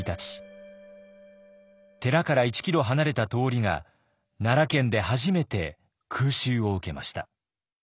寺から１キロ離れた通りが奈良県で初めて空襲を受けました。